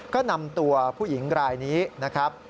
ก็นำตัวผู้หญิงรายนี้นะครับ